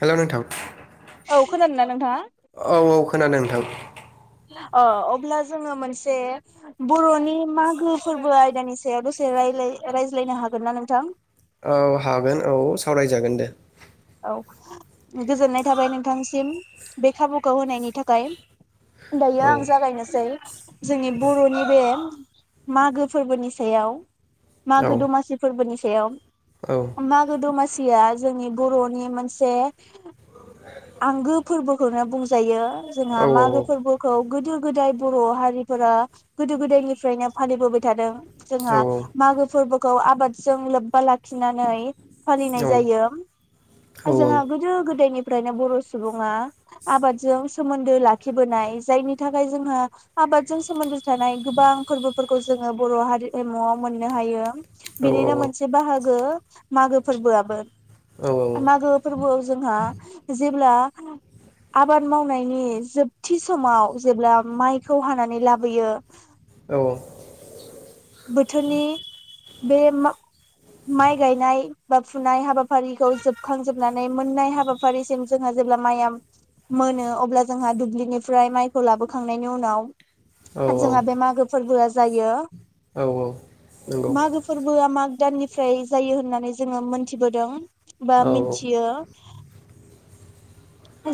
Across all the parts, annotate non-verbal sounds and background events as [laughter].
हेल' नोंथां! औ खोनादोंना नोंथाङा? औ औ खोनादों नोंथां। अ अब्ला जोङो मोनसे बर'नि मागो फोरबो आयदानि सायाव दसे रायलाय रायज्लायनो हागोन ना नोंथां? औ हागोन औ सावरायजागोन दे। औ गोजोननाय थाबाय नोंथांसिम बे खाबुखौ होनायनि थाखाय। दायो औ आं जागायनोसै जोंनि बर'नि बे मागो फोरबोनि सायाव। औ मागो दमासि फोरबोनिस एयाव- औ मागो दमास या जोंनि बर'नि मोनसे आंगो फोरबो खौनो बुंजायो। जोंहा औ मागो फोरबोखौ गोदो गोदाय बर' हारिफोरा गोदो गोदायनिफ्रायनो फालिबोबाय थादों। जोंहा औ मागो फोरबो खौ आबादजों लोब्बा लाखिनानै फालिनाय जायो। आ जोंहा गोदो गो दोनिफ्रायनो बर' सुबुङा आबादजों सोमोन्दो लाखिबोनाय जायनि थाखाय जोंहा आबादजों सोमोन्दो थानाय गोबां फोरबोफोरखौ जोङो बर' हारिमुआव मोननो हायो। बिनिनो मोनसे बाहागो। मागो फोरबोआबो मागो फोरबोआव जोंहा जेब्ला आबाद मावनायनि जोबथि समाव जेब्ला माइखौ हानानै लाबोयो [inaudible] बोथोरनि बे माइ गायनाय बा फुनाय हाबा हाबाफारिखौ जोबखांजोबनानै मोननाय हाबाफारिसिम जोंहा जेब्ला माइया मोनो अब्ला जोंहा दुब्लिनिफ्राय माइखौ लाबोखांनायनि उनाव जोंहा बे मागो फोरबोआ जायो मगो फोरबोआ मागो दाननिफ्राय जायो होननानै जोंङो मोनथिबोदों। बा मिथियो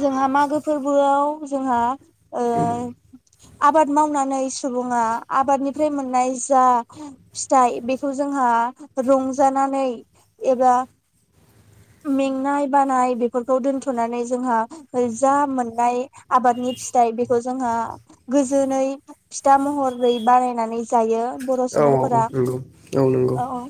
जोंहा मागो फोरबोआव जोंहा ओ [unintelligible] आबाद मावनानै सुंबुङा आबादनिफ्राय मोननाय जा फिथाइ बेखौ जोंहा रंजानानै एबा मेंनाय बानाय बेफोरखौ दोनथनानै जोंहा जा मोननाय आबादनि फिथाइ बेखौ जोंहा गोजोनै फिथा महरै बानायनानै जायो। बर' औ औ सुबुंफोरा नंगौ औ नंगौ। औ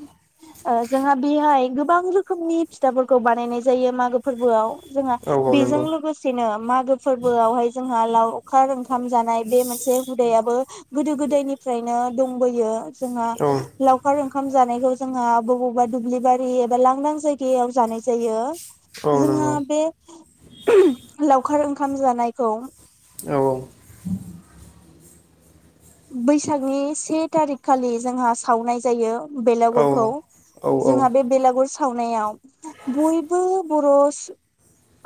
जोंहा बेहाय गोबां रो खोमनि फिथाफोरखौ बानायनाय जायो मागो फोरबोआव जोंहा औ बेजों नंगौ लोगोसेनो मागो फोरबोआवहाय जोंहा लाव अखार ओंखाम जानाय बे मोनसे हुदायाबो गोदो गोदायनिफ्रायनो दंबोयो। जोंहा औ लावखार ओं ओंखाम जानायखौ जोंहा बबावबा दुब्लिबारि एबा लांदां जायगायाव जानाय जायो औ जोंहा नंगौ औ नंगौ बे लावखार ओंखाम जानायखौ औ बैसागनि से थारिखखालि जोंहा सावनाय जायो औ नंगौ औ बेलागुरखौ। नंगौ औ औ जोंहा बे बेलागुर सावनायाव बयबो बर सु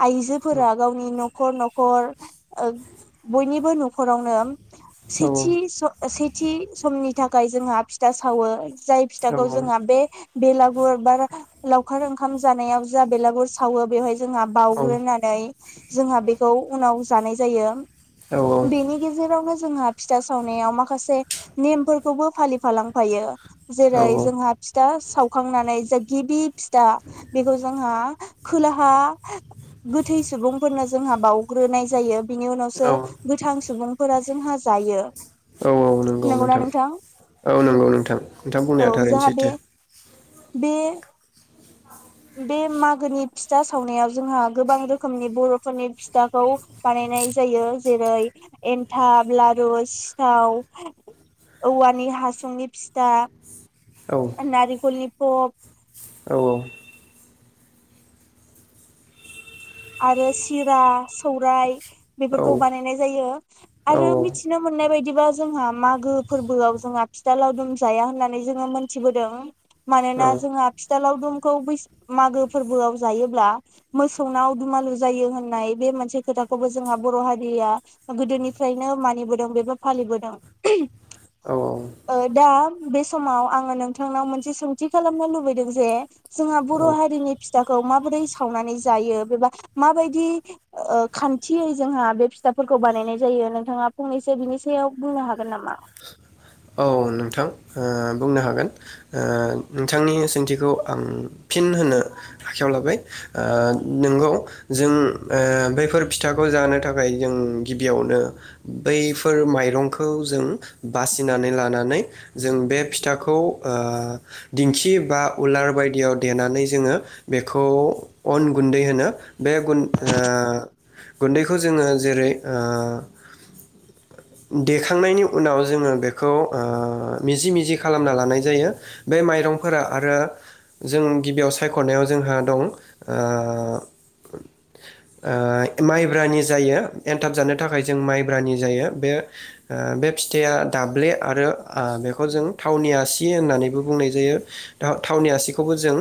आइजोफोरा गावनि नखर नखर ओ बयनिबो न'खरावनो औ थि स सेथि समनि थाखाय जोंहा फिथा सावो जाय फिथाखौ जोंहा बे बेलागुर बा लावखार ओंखाम जानायाव जा बेलागुर सावो बेवहाय जोंहा बाउग्रोनानै जोंहा बेखौ उनाव जानाय जायो। बेनि गेजेरावनो जोंहा फिथा सावनायाव माखासे नेमफोरखौबो फालिफालांफायो जेरै जोंहा फिथा सावखांनानै जा गिबि फिथा बेखौ जोंहा खोलाहा गोथै सुबुंफोरनो जोंहा बावउग्रोनाय जायो। बिनि उनावसो औ गोथां सुबुंफोरा जोंहा जायो औ नंगौना नोंथां? नोथां औ बुंनाया थारैनो जोंहा बे सैथो। बे बे मागोनि फिथा सावनायाव जोंहा गोबां रोखोमनि बर'फोरनि फिथाखौ बानायनाय जायो जेरै- एन्थाब, लारु, सिथाव, औवानि हासुंनि फिथा, औ नारिखलनि पप। औ आरो सिरा सौरायाइ औ बेफोरखौ बानायनाय जायो आरो औ मिथिनो मोननाय बायदिबा जोंहा मागो फोरबोआव जोंहा फिथा लावदुम जाया होननानै जोङो मोनथिबोदों। मानोना जोंहा फिथा लावदुमखौ बै मागो फोरबोआव जायोब्ला मोसौनाव। दुमालु जायो होननाय बे मोनसे खोथाखौबो जोंहा बर' हारिया गोदोनिफ्रायनो मानिबोदों बेबा फालिबोदों औ ओ दा बे समाव आङो नोंथांनाव मोनसे सोंथि खालामनो लुबैदों जे जोंहा औ बर' औ हारिनि फिथाखौ माबोरै सावनानै जायो बेबा। माबायदि ओ खान्थियै जोंहा बे फिथाफोरखौ बानायनाय जायो नोंथाङा फंनैसो बिनि सायाव बुंनो हागोन नामा? औ नोंथां ओ बुंनो हागोन ओ नोंथांनि सोंथिखौ आं फिन होनो आखायाव लाबाय नोंगौ जों बैफोर फिथाखौ जानो थाखाय जों गिबियावनो बैफोर माइरंखौ जों। बासिनानै लानानै। जों बे फिथाखौ आ। दिंखि बा उलार बायदियाव देनानै जोङो बेखौ अन गुन्दै होनो बे गुन आ गुन्दैखौ जोङो जेरै आ देखांनायनि उनाव जोङो बेखौ आ मिजि मिजि खालामना लानाय जायो। बे माइरंफोरा आरो जों गिबियाव सायख'नायाव जोंहा दं आ आ माइब्रानि जायो एन्थाब जानो थाखाय जों माइब्रानि जायो बे आ बे फिथाया दाब्ले आरो आ बेखौ जों थावनिया सि होननानैबो। बुंनाय जायो था-थावनि आसिखौबो जों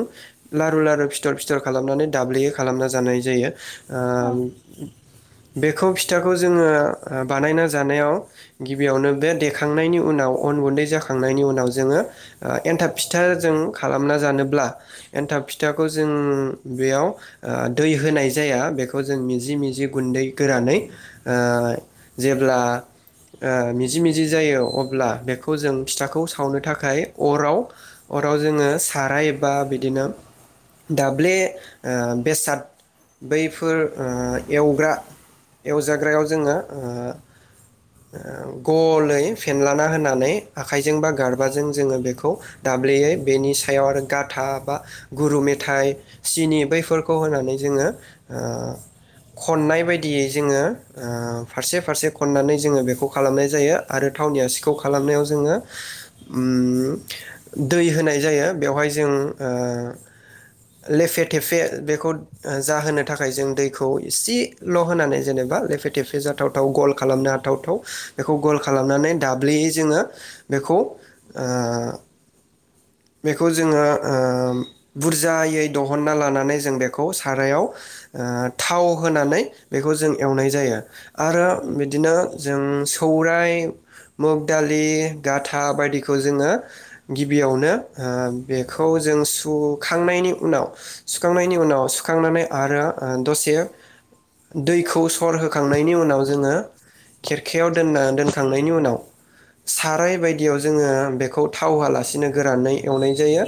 लारु लारु फिथर फिथर खालामनानै दाब्लेयै खालामना जानाय जायो। आ औ बे। खौ फिथाखौ जोङो बानायना जानायाव गिबियावनो बे देखांनायनि उनाव अन गुन्दै जाखांनायनि उनाव जोङो। आ एन्थाब फिथा जों खालामना जानोब्ला एन्थाब फिथाखौ जों बेयाव आ दै होनाय जाया बेखौ जों मिजि मिजि गुन्दै गोरानै आ जेब्ला आ मिजि मिजि जायो अब्ला बेखौ जों फिथाखौ सावनो थाखाय। अराव अराव जोङो साराय बा बिदिनो दाब्ले बेसाद बैफोर ओ एवग्रा एवजाग्रायाव जोङो ओ ओ गलै फेनलाना होनानै आखाइजों बा गारबाजों जोङो बे। खौ दाब्लेयै बेनि सायाव आरो गाथा बा गुरु मेथाइ सिनि बैफोरखौ होनानै जोङो ओ खननाय बायदियै जोङो ओ फारसे फारसे खननानै जोङो बेखौ खालामनाय जायो आरो थावनि आसिखौ खालामनायाव जोङो ओम। दै होनाय जाया बेवहाय जों ओ लेफे खेफे बेखौ जाहोनो थाखाय जों दैखौ इसेल' होनानै जेनेबा लेफे खेफे जाथावथाव गल खालामनो हाथाव थाव बेखौ गल खालामनानै दाब्लेयै जोङो बेखौ आ। बेखौ जोङो ओ बुरजायै दहन्ना लानानै जों बेखौ सारायाव आ थाव होनानै बेखौ जों एवनाय जाया। आरो बिदिनो जों। खौराइ मुग दालि गाथा बायदिखौ जोङो। गिबियावनो ओ बेखौजों सुखांनायनि उनाव सुखांनायनि उनाव सुखांनानै आरो ओ दसे दैखौ। अर होखांनायनि उनाव जोङो। खेरखायाव दोनना दोनखांनायनि उनाव। साराय बायदियाव जोङो बेखौ था। थावहोआलासिनो गोरानै एवनाय जायो।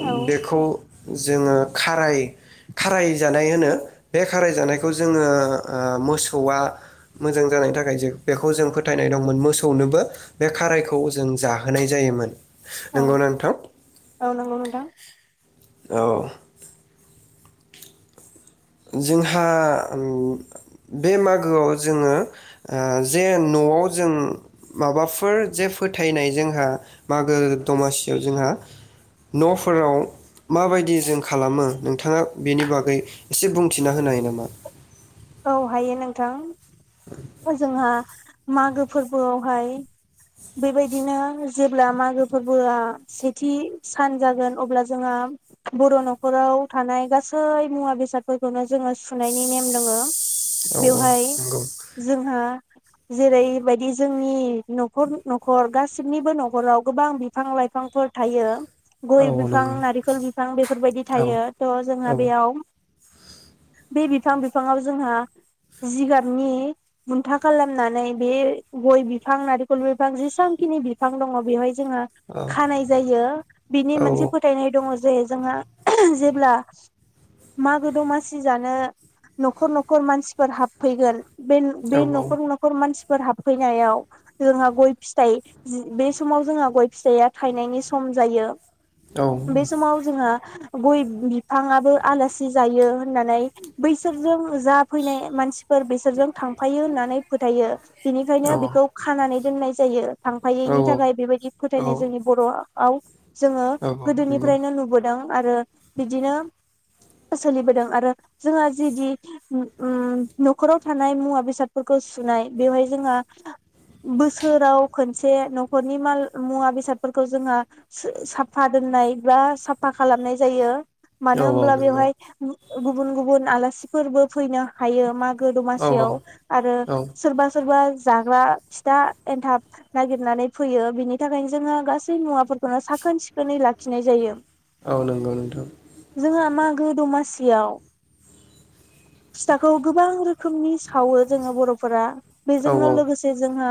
औ [unintelligible] खाराय खाराय जानाय होनो बे खाराय जानायखौ जोङो ओ मोसौआ मोजां जानायनि थाखाय जों बेखौ जों फोथायनाय दंमोन मोसौनोबो बे खारायखौ जों जाहोनाय जायोमोन। औ नंगौना नोंथां औ नंगौ नोंथां। अ। जोंहा बे मागोआव जोङो ओ जे न'आव जों माबाफोर जे फोथायनाय जोंहा मागो दमासियाव जोंहा न'फोराव माबायदि जों खालामो नोंथाङा बेनि बागै। एसे बुंथिना होनो हायो नामा। औ हायो नोंथां। ओ जोंहा। मागो फोरबोआवहाय बेबायदिनो जेब्ला मागो फोरबोआ सेथि सान जागोन अब्ला जोंहा बर' न'खराव थानाय गासै मुवा बेसादफोरखौनो। जोङो सुनायनि नेम दोङो। औ औ नंगौ। जोंहा जेरैबायदि जोंनि न'खर न'खर गासिबनिबो न'खराव गोबां बिफां-लाइफांफोर थायो। औ गय औ बिफां नंगौ नारिखल बिफां बेफोरबायदि औ थायो त' औ जोंङाबेयाव। [unintelligible] जोंहा जिगाबनि बुन्था खालामनानै बे गय बिफां नारिखल बिफां जेसेबांखिनि बिफां द‌ङ बेवहाय। जोंङा खानाय जायो बिनि औ मोनसे फोथायनाय दङ। जायो जोंहा जेब्ला मागो दमासि जानो न खर न'खर मानसिफोर हाबफैगोन । बे बे न'खर औ न'खर मानसि फोर हाबफैनायाव जोंहा गय फिथाइ बे समाव जोंहा गय फिथाइया थायनायनि सम जायो । बे समाव जोंहा गय बिफाङाबो आलासि जायो होननानै बैसोरजों जा फैनाय मानसिफोर बिसोरजों थांफायो होननानै फोथायो बेनिखायनो बेखौ खानानै दोननाय जायो । थांफायैनि थाखाय बेबायदि औ फोथायनाय जोंनि बर' आव जोंङो औ नंगौ गोदोनिफ्रायनो नुबोदों आरो बिदिनो सोलिबोदों आरो जोंहा जिदि उम्म उम्म न'खराव थानाय मुवा बेसादफोरखौ सुनाय बेवहाय जोंहा बोसोराव खनसे न'खरनि माल मुवा बेसादफोरखौ जोंहा सु साफा दोननाय बा साफा खालामनाय जायो । औ मानो औ होनोमब्ला नंगौ बेवहाय गुबुन गुबुन आलासिफोरबो फैनो हायो मा गो औ दमासियाव आरो औ सोरबा सोरबा जाग्रा फिथा एन्थाब नागिरनानै फैयो बिनि थाखायनो जोङो गासै मुवाफोरखौनो साखोन सिखोनै लाखिनाय जायो । औ नंगौ नोंथां । गो दमासियाव फिथाखौ गोबां रोखोमनि सावो जोंङो बर'फोरा औ बेजोंनो लोगोसे जोंहा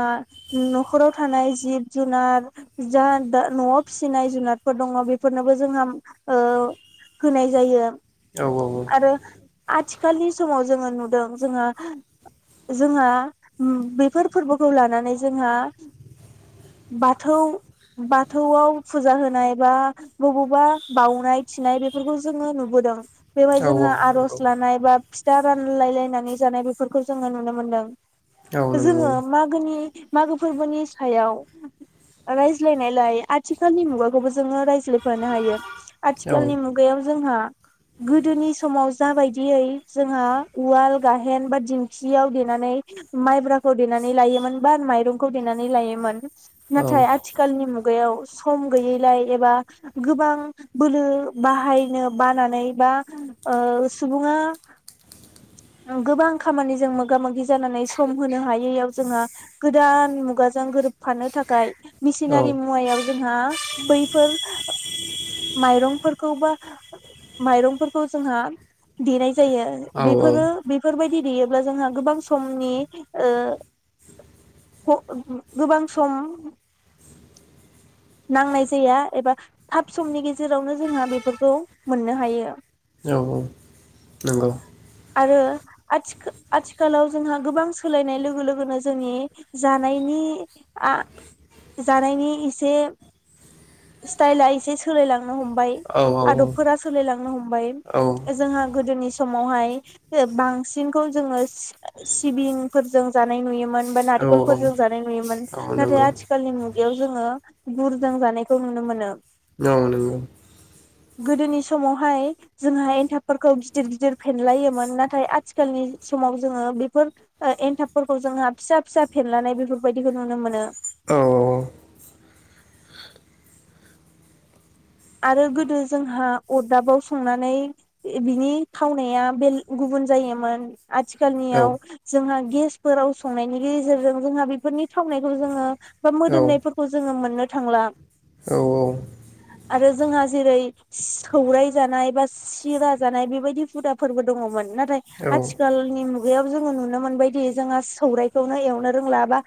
न'खराव थानाय जिब जुनार जा न'आव फिसिनाय जुनारफोर दङ बेफोरनोबो जोंहा ओ होनाय जायो । औ औ औ आथिखालनि समाव जोंङो नुदों जोंहा जोंहा उम्म बेफोर फोरबोखौ लानानै जोंहा बाथौ बाथौआव फुजा होनाय बा बबावबा बावनाय थिनाय बेफोरखौ जोंङो नुबोदों । बेवहाय जोंङो औ आर'ज लानाय बा फिथा रानलायलायनानै जानाय बेफोरखौ जोंङो नुनो मोनदों । जोंङो मागोनि मागो फोरबोनि सायाव रायज्लायनायलाय आथिखालनि मुगाखौबो जोंङो रायज यफानो हायो, आथिखालनि मुगायाव जोंहा गोदोनि समाव जाबायदियै जोंहा उवाल गाहेन बा दिंखियाव देनानै माइब्राखौ देनानै लायोमोन बा माइरंखौ देनानै लायोमोन । नाथाय आथिखालनि मुगायाव सम गैयैलाय एबा गोबां बोलो बाहायनो बानानै बा ओ सुबुङा गोबां खामानिजों मोगा मोगि जानानै सम होनो हाय यिआव जोंहा गोद गोदान मुगाजों गोरोबफानो थाखाय मिसिनारि मुवायाव जोंहा बैफोर माइरंफोरखौ बा माइरंफोरखौ जोंहा देनाय जायो बेफोरो बेफोर बायदि देयोब्ला जोंहा गोबां समनि ओ गोबां सम नांनाय जाया एबा थाब समनि गेजेरावनो जोंहा बेफोरखौ मोननो हायो औ औ नंगौ आथिखा आथिखालाव जोंहा गोबां सोलायनाय लोगो लोगोनो जोंनि जानायनि आ जानायनि एसे स्टाइला एसे सोलाय लांङो हमबाय आदबफोरा सोलायलांनो हमबाय जोंहा गोदोनि सि समावहाय बांसिनखौ जोंङो सि सिबिंफोरजों जानाय नुयोमोन होमबा नारेंखलफोर जानाय नुयोमोन नाथाय आथिखालनि मुग एयाव जोंङो गुरजों जानायखौ नुनो मोनो औ नंगौ गोदोनि समावहाय जोंहा एनथाबफोरखौ गिदिर गिदिर फेनलायोमोन नाथाय आथिखालनि समाव जोंङो बेफोर ओ एन्थाबफोरखौ जोंहा फिसा फिसा फेनलानाय बेफोर बायदिखौ नुनो मोनो औ औ औ आरो गोदो जोंहा अरदाबाव संनानै बिनि थावनाया बेल गुबुन जायोमोन आथिखालनियाव जोंहा गेसफोराव संनायनि गेजेरजों जोंहा बेफोरनि थावनायखौ जोंङो बा मोदोमनाय फोरखौ जोंङो मोननो थांला औ औ आरो जोंहा जेरै सि सौराय जानाय बा सिरा जानाय बेबायदि हुदा फोरबो दंङमोन ना हाय आथिखालनि मुगायाव जोंङो नुनो मोनबायदि जोंहा सौरायाइखौनो एवनो रोंला बा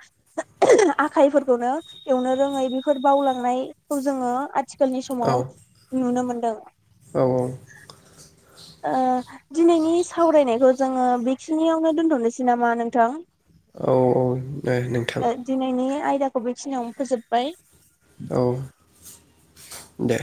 आखाइफोरखौनो एवनो रोंङै बेफोर बावलांनायखौ जोंङो आथिखाल आथिखालनि औ समाव नुनो मोनो [unintelligible] औ औ ओ दिनैनि सावरायनायखौ जोंङो बेखिनियावनो दोनथ'नोसै नामा नोंथां औ औ दे नोंथां दाखौ बेखिनियावनो फोजोबबाय औ दे